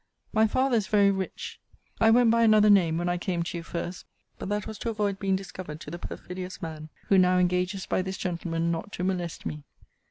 'My father is very rich. I went by another name when I came to you first: but that was to avoid being discovered to the perfidious man: who now engages, by this gentleman, not to molest me.